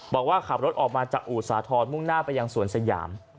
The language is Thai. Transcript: บอกว่าขับรถออกมาจากอู่สาธรณ์มุ่งหน้าไปยังสวนสยาม